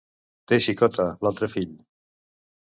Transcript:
Té xicota l'altre fill?